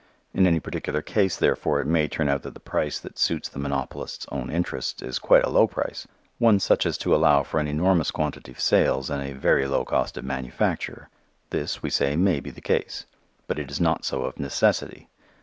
In any particular case, therefore, it may turn out that the price that suits the monopolist's own interest is quite a low price, one such as to allow for an enormous quantity of sales and a very low cost of manufacture. This, we say, may be the case. But it is not so of necessity.